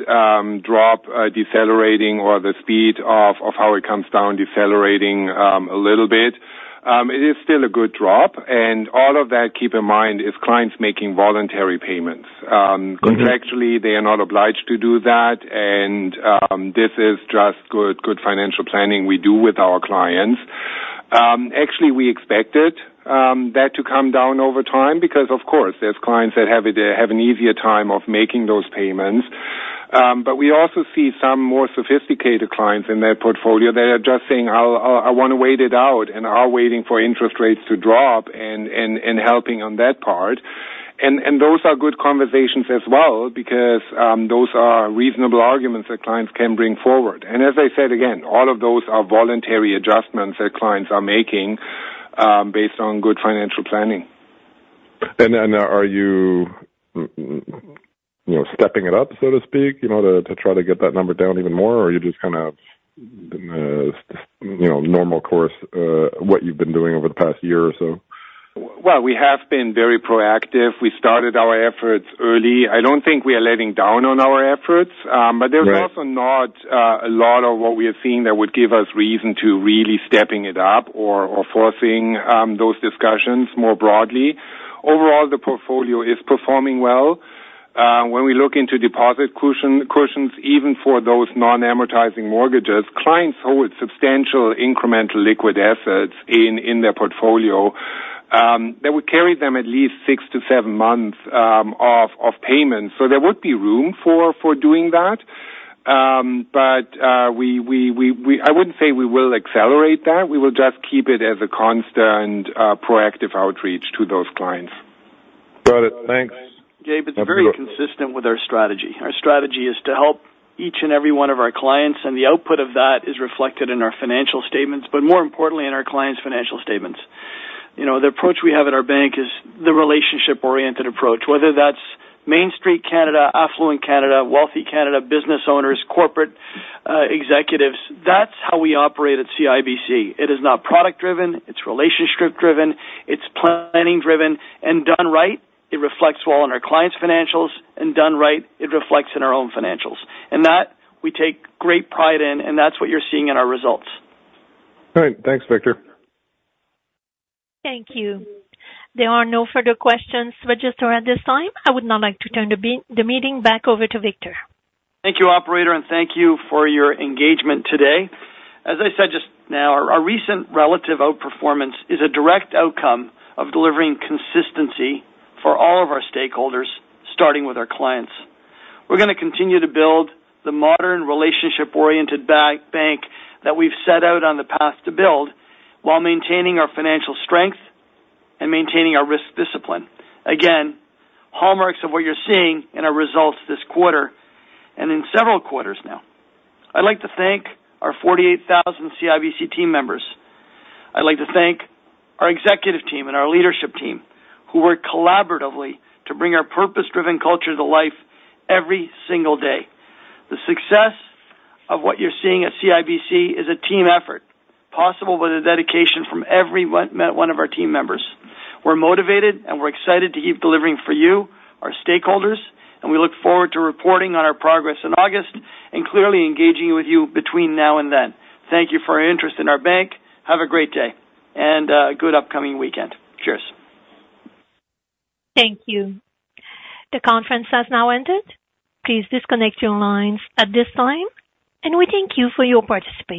drop decelerating or the speed of how it comes down decelerating a little bit. It is still a good drop, and all of that, keep in mind, is clients making voluntary payments. Mm-hmm. Contractually, they are not obliged to do that, and this is just good, good financial planning we do with our clients. Actually, we expected that to come down over time because, of course, there's clients that have a, have an easier time of making those payments. But we also see some more sophisticated clients in that portfolio that are just saying, "I'll- I, I wanna wait it out," and are waiting for interest rates to drop and helping on that part. And those are good conversations as well, because those are reasonable arguments that clients can bring forward. And as I said again, all of those are voluntary adjustments that clients are making, based on good financial planning. And then are you, you know, stepping it up, so to speak, you know, to try to get that number down even more? Or are you just kind of, you know, normal course, what you've been doing over the past year or so? Well, we have been very proactive. We started our efforts early. I don't think we are letting down on our efforts. Right.... but there's also not a lot of what we are seeing that would give us reason to really stepping it up or forcing those discussions more broadly. Overall, the portfolio is performing well. When we look into deposit cushions, even for those non-amortizing mortgages, clients hold substantial incremental liquid assets in their portfolio that would carry them at least six to seven months of payments. So there would be room for doing that. But I wouldn't say we will accelerate that. We will just keep it as a constant proactive outreach to those clients. Got it. Thanks. Gabe, it's very consistent with our strategy. Our strategy is to help each and every one of our clients, and the output of that is reflected in our financial statements, but more importantly, in our clients' financial statements. You know, the approach we have at our bank is the relationship-oriented approach, whether that's Main Street Canada, affluent Canada, wealthy Canada, business owners, corporate, executives, that's how we operate at CIBC. It is not product-driven, it's relationship-driven, it's planning-driven, and done right, it reflects well on our clients' financials, and done right, it reflects in our own financials. And that we take great pride in, and that's what you're seeing in our results. All right. Thanks, Victor. Thank you. There are no further questions registered at this time. I would now like to turn the meeting back over to Victor. Thank you, operator, and thank you for your engagement today. As I said just now, our recent relative outperformance is a direct outcome of delivering consistency for all of our stakeholders, starting with our clients. We're gonna continue to build the modern, relationship-oriented bank that we've set out on the path to build, while maintaining our financial strength and maintaining our risk discipline. Again, hallmarks of what you're seeing in our results this quarter and in several quarters now. I'd like to thank our 48,000 CIBC team members. I'd like to thank our executive team and our leadership team, who work collaboratively to bring our purpose-driven culture to life every single day. The success of what you're seeing at CIBC is a team effort, possible with the dedication from every one of our team members. We're motivated, and we're excited to keep delivering for you, our stakeholders, and we look forward to reporting on our progress in August, and clearly engaging with you between now and then. Thank you for your interest in our bank. Have a great day, and, good upcoming weekend. Cheers. Thank you. The conference has now ended. Please disconnect your lines at this time, and we thank you for your participation.